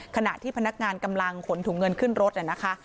ขณะที่พนักงานกำลังขนถุงเงินขึ้นรถนะคะ